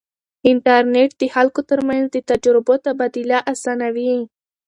انټرنیټ د خلکو ترمنځ د تجربو تبادله اسانوي.